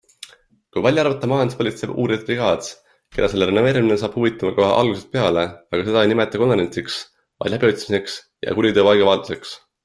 Kui välja arvata majandus-politsei uurijate brigaad, keda selle renoveerimine saab huvitama kohe algusest peale, aga seda ei nimeta konverentsiks, vaid läbiotsimiseks ja kuriteopaiga vaatluseks.